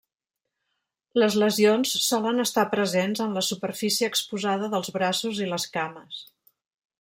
Les lesions solen estar presents en la superfície exposada dels braços i les cames.